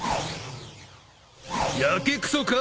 やけくそか？